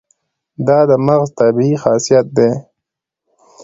دا د مغز طبیعي خاصیت دی.